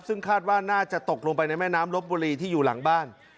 ซึ่งคาดว่าน่าจะตกลงไปในแม่น้ำลบบุรีที่อยู่หลังบ้าน